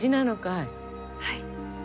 はい。